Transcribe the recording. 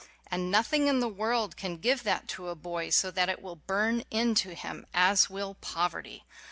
And nothing in the world can give that to a boy, so that it will burn into him, as will poverty.